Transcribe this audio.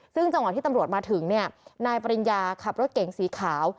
ซึ่งจังหวะที่ตำรวจมาถึงนายปริญญาขับรถเก๋งสีขาว